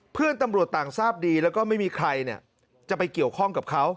เพื่อนตำรวจต่างทราบดีแล้วก็ไม่มีใครจะไปเกี่ยวข้องกับเขา